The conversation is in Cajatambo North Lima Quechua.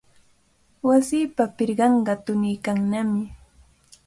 Wasipa pirqanqa tuniykannami.